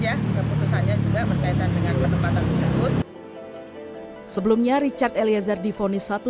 ya keputusannya juga berkaitan dengan penempatan tersebut sebelumnya richard eliezer difonis satu